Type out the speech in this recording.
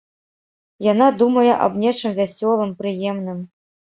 Яна думае аб нечым вясёлым, прыемным.